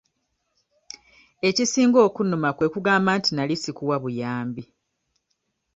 Ekisinga okunnuma kwe kugamba nti nali sikuwa buyambi.